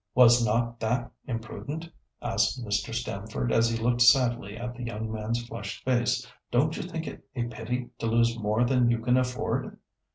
"Was not that imprudent?" asked Mr. Stamford, as he looked sadly at the young man's flushed face. "Don't you think it a pity to lose more than you can afford?"